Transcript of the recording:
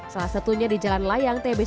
salah satunya di jalan layang tbc